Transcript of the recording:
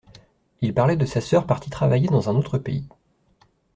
Il parlait de sa sœur partie travailler dans un autre pays.